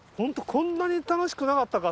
こんなに楽しくなかったか？